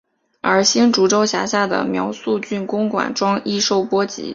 而新竹州辖下的苗栗郡公馆庄亦受波及。